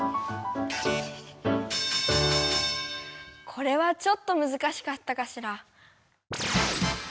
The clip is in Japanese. これはちょっとむずかしかったかしら？